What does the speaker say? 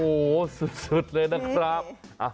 โหสุดเลยนะครับ